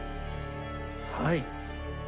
はい。